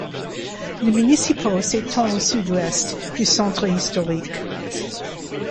Le Municipio s'étend au sud-ouest du centre historique.